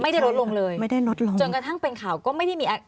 ไม่ได้ลดลงเลยไม่ได้ลดลงจนกระทั่งเป็นข่าวก็ไม่ได้มีอะไร